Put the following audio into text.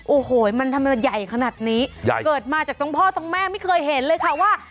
โอ้โหมันทำไมใหญ่ขนาดนี้ใหญ่เกิดมาจากทั้งพ่อทั้งแม่ไม่เคยเห็นเลยค่ะว่า